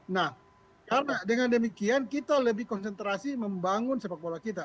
nah karena dengan demikian kita lebih konsentrasi membangun sepak bola kita